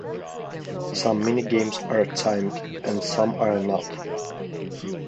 Some mini-games are timed, and some are not.